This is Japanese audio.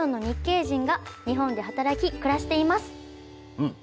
うん。